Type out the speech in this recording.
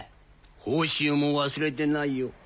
報酬も忘れてないよ。